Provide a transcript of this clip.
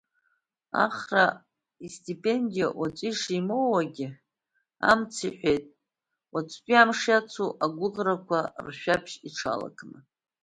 Ахра истипендиа уаҵәы ишимоуагьы, амц иҳәеит, уаҵәтәи амш иацу агәыӷрақәа ршәаԥшь иҽалакны.